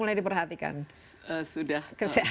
mulai diperhatikan sudah